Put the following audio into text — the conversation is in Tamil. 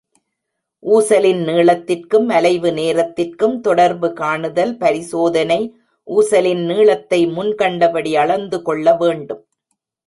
ஊசலின் நீளத்திற்கும் அலைவு நேரத்திற்கும் தொடர்பு காணுதல் பரிசோதனை ஊசலின் நீளத்தை முன் கண்டபடி அளந்து கொள்ள வேண்டும்.